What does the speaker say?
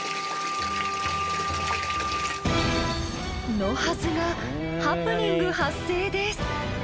のはずがハプニング発生です。